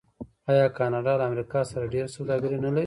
آیا کاناډا له امریکا سره ډیره سوداګري نلري؟